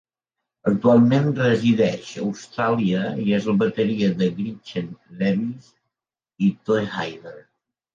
Actualment resideix a Austràlia i és el bateria de Gretchen Lewis i Toehider.